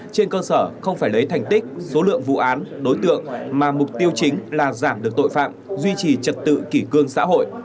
trên cơ sở không phải lấy thành tích số lượng vụ án đối tượng mà mục tiêu chính là giảm được tội phạm duy trì trật tự kỷ cương xã hội